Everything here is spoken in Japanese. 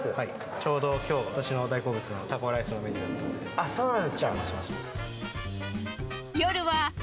ちょうどきょう、私の大好物のタコライスのメニューだったので。